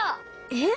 えっ？